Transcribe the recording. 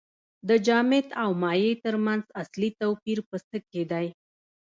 د جامد او مایع ترمنځ اصلي توپیر په څه کې دی